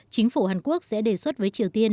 chính phủ hàn quốc sẽ đề xuất với triều tiên